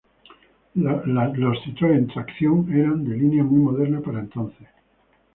Los Citroën "Tracción" eran de línea muy moderna para entonces.